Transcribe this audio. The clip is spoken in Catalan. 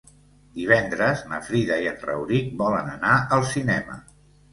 Divendres na Frida i en Rauric volen anar al cinema.